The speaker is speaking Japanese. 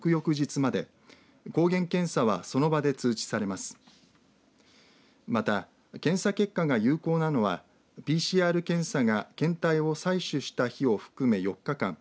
また、検査結果が有効なのはＰＣＲ検査が検体を採取した日を含め４日間